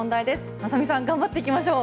雅美さん頑張っていきましょう。